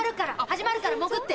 始まるから潜って！